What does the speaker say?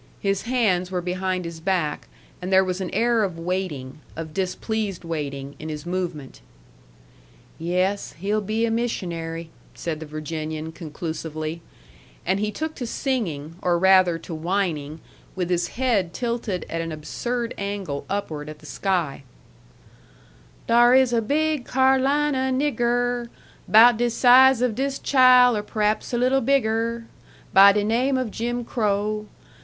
His hands were behind his back, and there was an air of waiting, of displeased waiting, in his movement. "Yes, he'll be a missionary," said the Virginian, conclusively; and he took to singing, or rather to whining, with his head tilted at an absurd angle upward at the sky: "'Dar is a big Car'lina nigger, About de size of dis chile or p'raps a little bigger, By de name of Jim Crow.